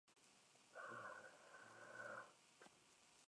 La tensión entre ambos diarios continuó.